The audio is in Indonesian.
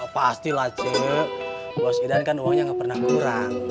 pasti lah c bos idan kan uangnya gak pernah kurang